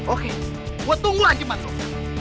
oke gue tunggu hancur matruh